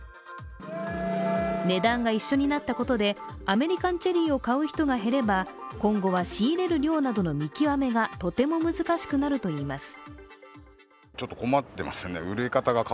値段が一緒になったことでアメリカンチェリーを買う人が減れば、今後は仕入れる量などの見極めがとても難しくなるといいます。